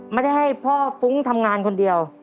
ไม่ได้ให้พ่อฟุ้งทำงานคนเดียว